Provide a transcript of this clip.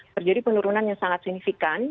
terjadi penurunan yang sangat signifikan